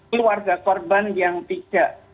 keluarga korban yang tidak